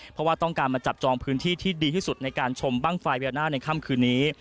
เพราะว่าต้องการมาจับจองพื้นที่ที่ดีที่สุดในการชมบ้างไฟพญานาคในค่ำคืนนี้